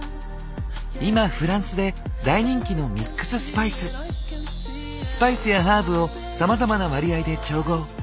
今フランスで大人気のスパイスやハーブをさまざまな割合で調合。